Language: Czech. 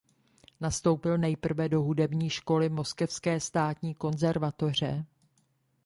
Nastoupil nejprve do hudební školy Moskevské státní konzervatoře.